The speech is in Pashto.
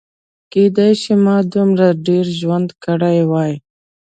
کیدای شي ما دومره ډېر ژوند کړی وي.